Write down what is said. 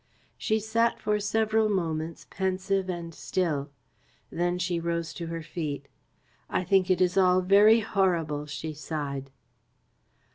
She sat for several moments, pensive and still. Then she rose to her feet. "I think it is all very horrible," she sighed.